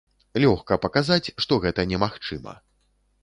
Лёгка паказаць, што гэта немагчыма.